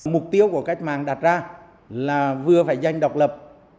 mục tiêu của cách mạng đặt ra là vừa phải danh độc lập